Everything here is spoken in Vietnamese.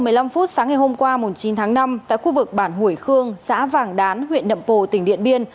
vào hồi tám h một mươi năm sáng ngày hôm qua chín tháng năm tại khu vực bản hủy khương xã vàng đán huyện nậm pồ tỉnh điện biên